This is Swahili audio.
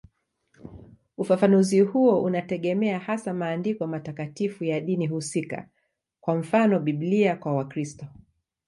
Ufafanuzi huo unategemea hasa maandiko matakatifu ya dini husika, kwa mfano Biblia kwa Wakristo.